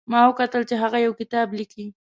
ما وکتل چې هغه یو کتاب لیکي